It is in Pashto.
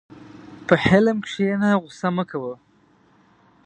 په حلم کښېنه، غوسه مه کوه.